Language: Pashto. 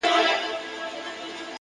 د ارادې قوت د خنډونو قد ټیټوي؛